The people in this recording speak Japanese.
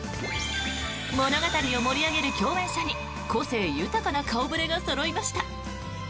物語を盛り上げる共演者に個性豊かな顔触れがそろいました。